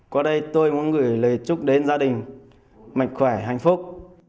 qua đây tôi muốn gửi lời chúc đến gia đình mạnh khỏe hạnh phúc